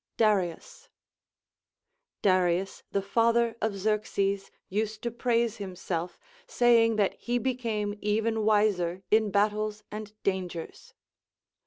Darius. Darius the father of Xerxes used to praise himself, saying that he became even Aviser in battles and dangers.